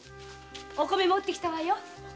お米持って来たよ。